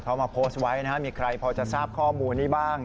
เขามาโพสต์ไว้นะครับมีใครพอจะทราบข้อมูลนี้บ้าง